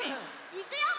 いくよ！